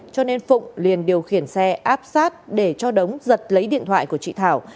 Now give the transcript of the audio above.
cho nên phụng liền điều khiển xe áp sát để cho đống giật lấy điện thoại của chị thảo